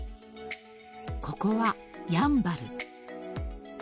［ここはやんばる］